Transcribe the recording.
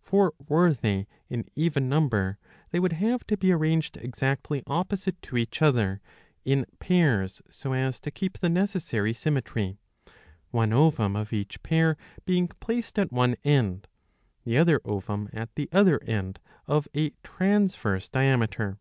For were they in even number, they would have to be arranged exactly opposite to each other, in pairs,. so 680b. iv. 5. 103 as to keep the necessary symmetry ; one ovum of each pair being placed at one end, the other ovum at the other end, of a transverse diameter.